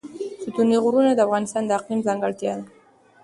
ستوني غرونه د افغانستان د اقلیم ځانګړتیا ده.